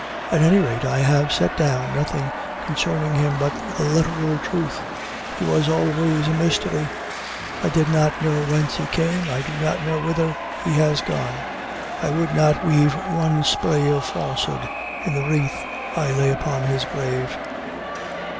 At any rate, I have set down nothing concerning him but the literal truth. He was always a mystery. I did not know whence he came; I do not know whither he has gone. I would not weave one spray of falsehood in the wreath I lay upon his grave.